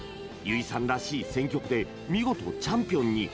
唯さんらしい選曲で見事チャンピオンに。